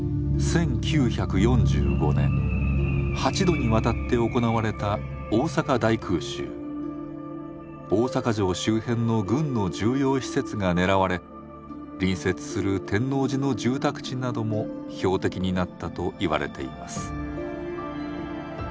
８度にわたって行われた大阪城周辺の軍の重要施設が狙われ隣接する天王寺の住宅地なども標的になったといわれています。